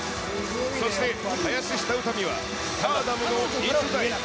そして、林下詩美はスターダムの逸材。